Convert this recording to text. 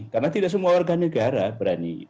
karena tidak semua warga negara berani